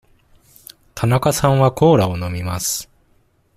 田中さんはコーラを飲みます。